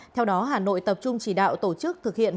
theo đó hà nội tập trung chỉ đạo tổ chức thực hiện